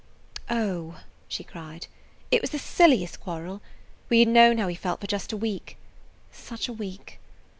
"Oh," she cried, "it was the silliest quarrel! We had known how we felt for just a week. Such a week!